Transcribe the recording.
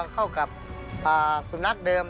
เข้ากับสุนัขเดิม